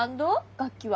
楽器は？